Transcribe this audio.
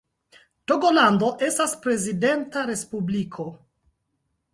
Togolando estas prezidenta respubliko.